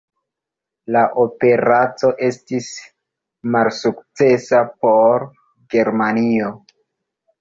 La operaco estis malsukcesa por Germanio.